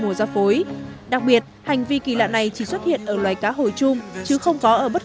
mùa ra phối đặc biệt hành vi kỳ lạ này chỉ xuất hiện ở loài cá hồi chung chứ không có ở bất